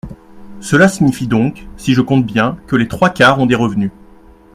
Cela signifie donc, si je compte bien, que les trois quarts ont des revenus.